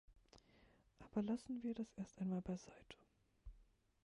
Aber lassen wir das erst einmal beiseite.